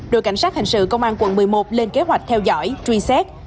đội cảnh sát hình sự công an quận một mươi một lên kế hoạch theo dõi truy xét